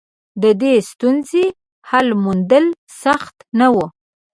د دې ستونزې حل موندل سخت نه و.